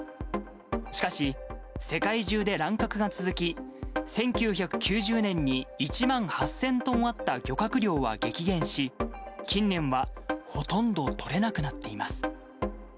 しかし、世界中で乱獲が続き、１９９０年に１万８０００トンあった漁獲量は激減し、近年はほとんど取れなくなっています。